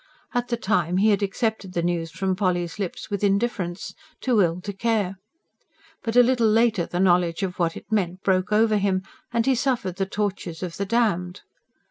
At the time he had accepted the news from Polly's lips with indifference too ill to care. But a little later the knowledge of what it meant broke over him, and he suffered the tortures of the damned.